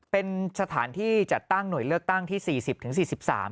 เป็นสถานที่จัดตั้งหน่วยเลือกตั้งที่สี่สิบถึงสี่สิบสาม